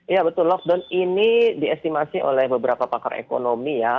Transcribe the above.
ya betul lockdown ini diestimasi oleh beberapa pakar ekonomi ya